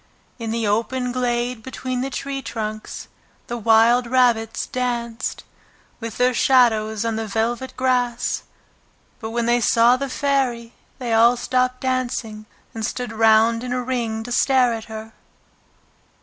In the open glade between the tree trunks the wild rabbits danced with their shadows on the velvet grass, but when they saw the Fairy they all stopped dancing and stood round in a ring to stare at her.